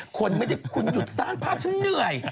คนไม่ได้คุณหยุดสร้างภาพฉันเหนื่อย